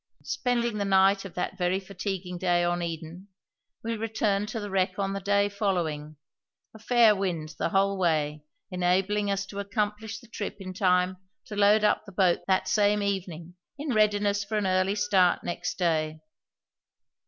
Spending the night of that very fatiguing day on Eden, we returned to the wreck on the day following, a fair wind the whole way enabling us to accomplish the trip in time to load up the boat that same evening in readiness for an early start next day.